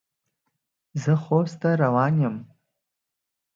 زه خوست ته روان یم.